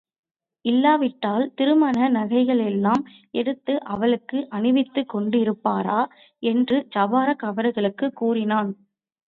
இல்லாவிட்டால், திருமண நகைகளெல்லாம் எடுத்து அவளுக்கு அணிவித்துக் கொண்டிருப்பாரா? என்று ஜபாரக் அவர்களுக்குக் கூறினான்.